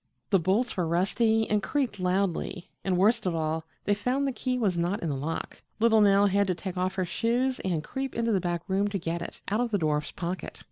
The bolts were rusty and creaked loudly, and, worst of all, they found the key was not in the lock. Little Nell had to take off her shoes and creep into the back room to get it out of the dwarf's pocket.